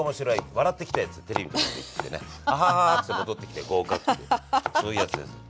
笑ってきて」っつってテレビの所行ってね「ハハハハ！」っつって戻ってきて合格っていうそういうやつです。